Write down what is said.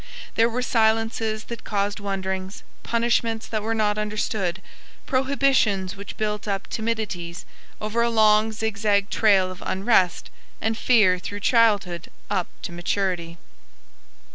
There were silences that caused wonderings, punishments that were not understood, prohibitions which built up timidities, over a long zigzag trail of unrest and fear through childhood up to maturity.